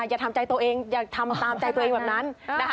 อย่าทำใจตัวเองอย่าทำตามใจตัวเองแบบนั้นนะคะ